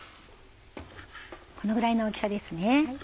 このぐらいの大きさですね。